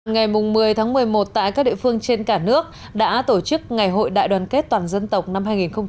ngày một mươi một mươi một tại các địa phương trên cả nước đã tổ chức ngày hội đại đoàn kết toàn dân tộc năm hai nghìn một mươi chín